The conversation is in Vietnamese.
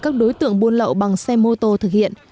các đối tượng buôn lậu bằng xe mô tô thực hiện